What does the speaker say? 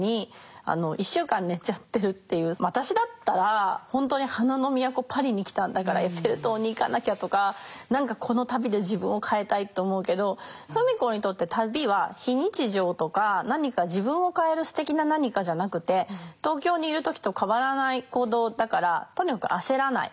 そもそも私だったら本当に花の都パリに来たんだからエッフェル塔に行かなきゃとか何かこの旅で自分を変えたいと思うけど自分を変えるすてきな何かじゃなくて東京にいる時と変わらない行動だからとにかく焦らない。